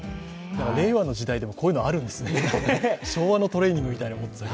令和の時代でもこういうのあるんですね昭和のトレーニングみたいですけど。